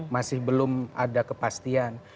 masih belum ada kepastian